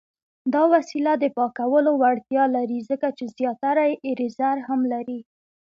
دا وسیله د پاکولو وړتیا لري، ځکه چې زیاتره یې سره ایریزر هم لري.